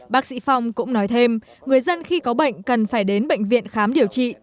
bác sĩ phong cũng nói thêm người dân khi có bệnh cần phải đến bệnh viện khám điều trị